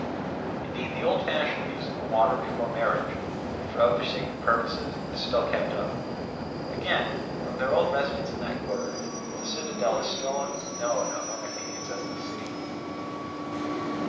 Indeed, the old fashion of using the water before marriage and for other sacred purposes is still kept up. Again, from their old residence in that quarter, the citadel is still known among Athenians as the city.